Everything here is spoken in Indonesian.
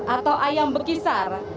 atau ayam bekisar